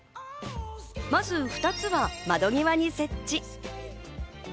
まず２つは窓際に設置。